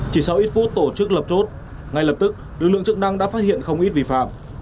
chỉ sau ít phút tổ chức lập chốt ngay lập tức lực lượng chức năng đã phát hiện không ít vi phạm